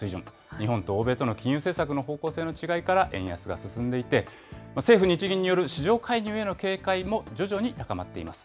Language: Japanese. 日本と欧米との金融政策の方向性の違いから円安が進んでいて、政府・日銀による市場介入への警戒も徐々に高まっています。